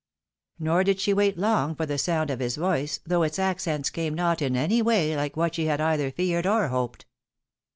Nor did she wait long for the sound of his voice, though its accents came not, in any way, like what she had either feared, or hoped.